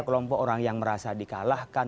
kelompok orang yang merasa di kalahkan